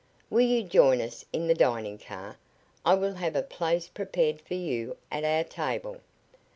"Will you join us in the dining car? I will have a place prepared for you at our table."